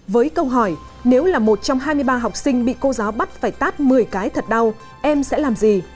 với câu hỏi nếu là một trong hai mươi ba học sinh bị cô giáo bắt phải tát một mươi cái thật đau em sẽ làm gì